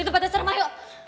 ini tuh pada serem ayo